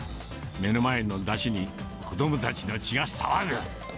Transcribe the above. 目の前のだしに、子どもたちの血が騒ぐ。